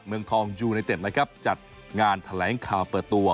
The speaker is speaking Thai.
เมืองทองยูไนเต็ดนะครับจัดงานแถลงข่าวเปิดตัว